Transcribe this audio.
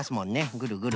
ぐるぐる。